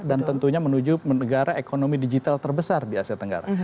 dan tentunya menuju negara ekonomi digital terbesar di asia tenggara